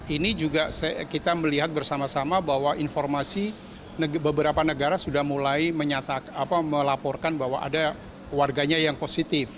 ini juga kita melihat bersama sama bahwa informasi beberapa negara sudah mulai melaporkan bahwa ada warganya yang positif